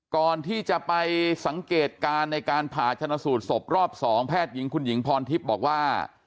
ก่อนที่จะไปสังเกตการณ์ในการผ่าชนะสูตรศพรอบ๒แพทย์หญิงคุณหญิงพรทิพย์บอกว่า